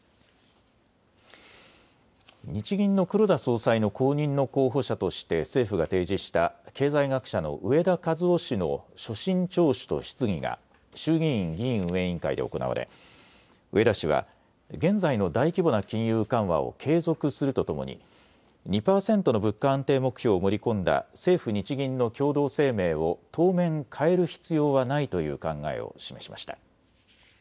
日銀の黒田総裁の後任の候補者として政府が提示した経済学者の植田和男氏の所信聴取と質疑が衆議院議員運営委員会で行われ植田氏は現在の大規模な金融緩和を継続するとともに２％の物価安定目標を盛り込んだ政府・日銀の共同声明を当面、変える必要はないという考えを示しました。